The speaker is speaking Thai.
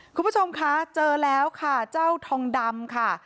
คุณผู้ชมคะเจอแล้วค่ะเจ้าทองดำค่ะ